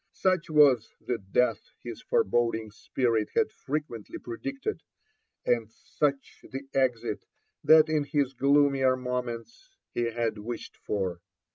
Such was the death his foreboding spirit bad frequently predicted, and such the. exit that in his gloomier moments he had wished for.